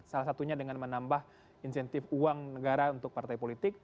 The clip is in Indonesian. salah satunya dengan menambah insentif uang negara untuk partai politik